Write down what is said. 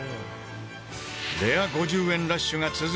レア５０円ラッシュが続く中